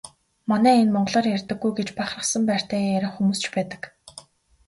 Манай энэ монголоор ярьдаггүй гэж бахархсан байртай ярих хүмүүс ч байдаг.